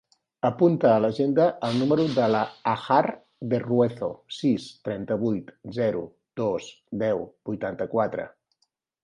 Apunta a l'agenda el número de la Hajar Berruezo: sis, trenta-vuit, zero, dos, deu, vuitanta-quatre.